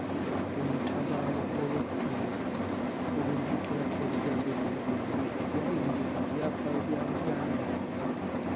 Olutabaalo olw'ekkumi n'ebbiri tulujjukirako ebigambo bino byombi ebyayingira mu byafaayo bya Buganda.